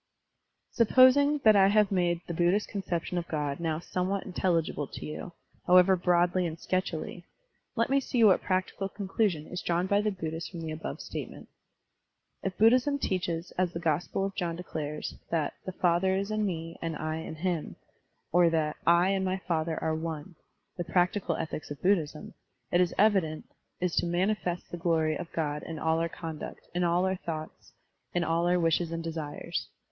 He ♦* Supposing that I have made the Buddhist conception of God now somewhat intelligible to you, however broadly and sketchily, let me see what practical conclusion is drawn by the Bud dhists from the above statement. If Buddhism teaches, as the Gospel of John declares, that "the Father is in me and I in him,*' or that "I and my Father are one,'' the practical ethics of Buddhism, it is evident, is to manifest the glory of God in all otir conduct, in all our thoughts, in all our wishes and desires.